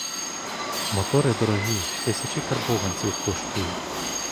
Мотори дорогі, тисячі карбованців коштують.